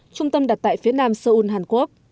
trung tâm đặt tại phía nam seoul hàn quốc